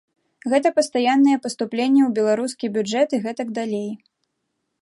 Гэта пастаянныя паступленні ў беларускі бюджэт і гэтак далей.